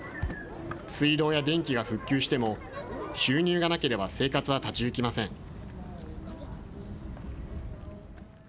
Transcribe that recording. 水道や電気が復旧しても、収入がなければ生活は立ち行きません。